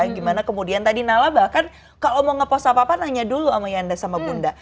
gimana kemudian tadi nala bahkan kalau mau ngepost apa apa nanya dulu sama yanda sama bunda